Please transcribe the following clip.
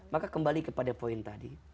maka kembali kepada poin tadi